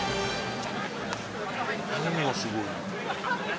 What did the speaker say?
何がすごいの？